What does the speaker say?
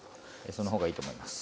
その方がいいと思います。